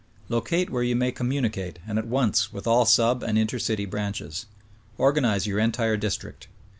Locate where you may com municate and at once with all sub and inter city branches. Organize your entire district.